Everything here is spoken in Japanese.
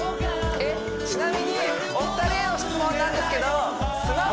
えっちなみにお二人への質問なんですけどあっ